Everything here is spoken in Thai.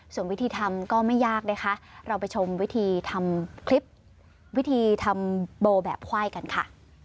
ส่วนวิธีทำก็ไม่ยากนะคะเราไปชมวิธีทำคลิปวิธีทำโบแบบไขว้กันค่ะ